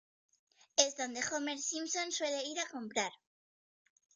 Es donde Homer Simpson suele ir a comprar.